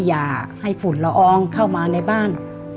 อย่าให้ฝุ่นละอองเข้ามาในบ้าน